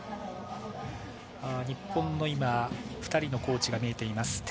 日本の２人のコーチが見えています。